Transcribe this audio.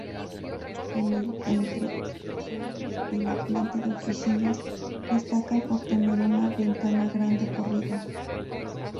El entresuelo y la planta de oficinas destacan por tener una ventana grande corrida.